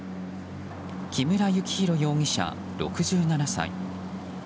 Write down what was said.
木村幸弘容疑者、６７歳。